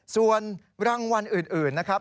ส่วนรางวัลอื่นนะครับ